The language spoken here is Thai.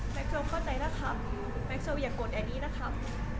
แม็กเซลเข้าใจนะครับแม็กเซลอย่ากดแอดดี้นะครับ